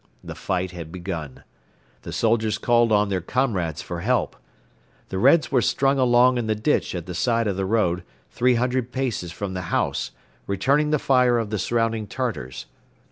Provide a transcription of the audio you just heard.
The fight had begun. The soldiers called on their comrades for help. The Reds were strung along in the ditch at the side of the road, three hundred paces from the house, returning the fire of the surrounding Tartars.